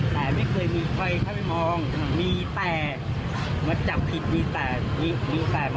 แล้วหลุงพี่ได้แจ้งทั้งข้าคมผู้ใหญ่ไหมครับ